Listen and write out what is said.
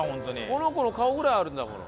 この子の顔ぐらいあるんだもん。